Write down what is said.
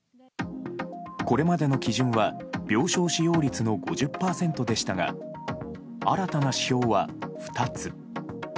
これまでの基準は病床使用率の５０％でしたが新たな指標は２つ。